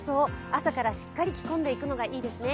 朝からしっかり着込んでいくのがいいですね。